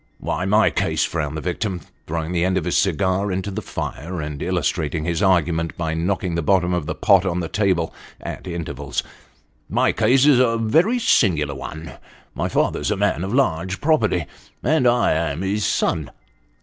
" Why, my case," frowned the victim, throwing the end of his cigar into the fire, and illustrating his argument by knocking the bottom of the pot on the table, at intervals, " my case is a very singular one. My father's a man of large property, and I am his son."